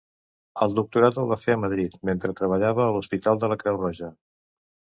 El doctorat el va fer a Madrid, mentre treballava a l'Hospital de la Creu Roja.